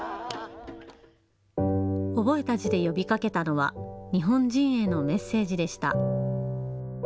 覚えた字で呼びかけたのは日本人へのメッセージでした。